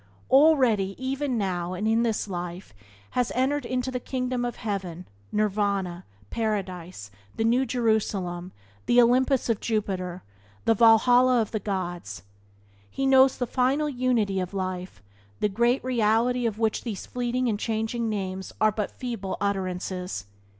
Already, even now and in this life, he has entered the Kingdom of Heaven, Nirvana, Paradise, the New Jerusalem, the Olympus of Jupiter, the Valhalla of the Gods. He knows the Final Unity of Life, the Great Reality of which these fleeting and changing names are but feeble utterances.